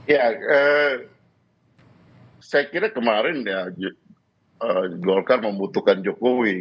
ya saya kira kemarin ya golkar membutuhkan jokowi